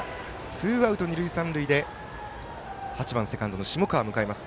ツーアウト、二塁三塁で８番セカンドの下川を迎えます。